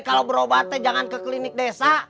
kalau berobat teh jangan ke klinik desa